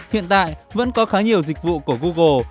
hiện tại vẫn có khá nhiều dịch vụ của google